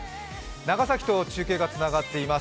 長崎と中継がつながっています。